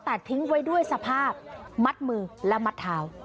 แต่ทิ้งไว้ด้วยสภาพมัดมือและมัดเท้า